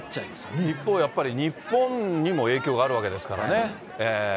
一方、やっぱり日本にも影響があるわけですからね。